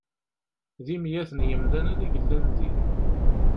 D imyaten n yemdanen i yellan din.